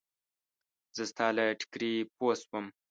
زه ستا له ټیکري پوی شوم.